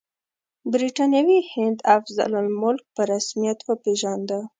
برټانوي هند افضل الملک په رسمیت وپېژانده.